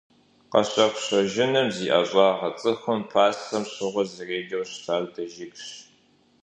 Къэщэху-щэжыныр зи ӀэщӀагъэ цӀыхум пасэм щыгъуэ зэреджэу щытар дэжыгщ.